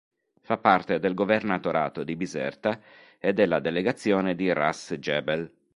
Fa parte del governatorato di Biserta e della delegazione di Ras Jebel.